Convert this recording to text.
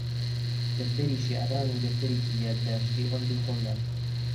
دەفتەری شیعران و دەفتەرێکی یادداشتی عومری خۆم نارد